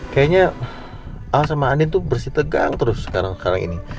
kayaknya al sama andin tuh bersih tegang terus sekarang sekarang ini